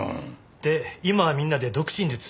で今はみんなで読唇術。